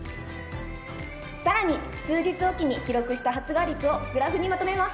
更に数日置きに記録した発芽率をグラフにまとめました。